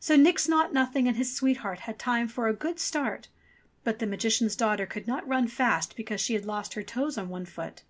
So Ni:jf Naught Nothing and his sweetheart had time for a good start ; but the Magician's daughter could not run fast because she had lost her toes on one foot